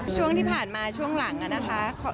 ช่วงที่ผ่านมาช่วงหลังนะคะ